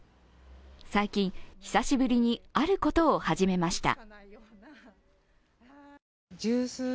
最近、久しぶりにあることを始めました。